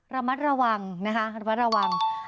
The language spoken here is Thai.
ระมัดระวังนะคะ